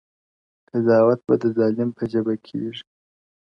• قضاوت به د ظالم په ژبه کیږي ,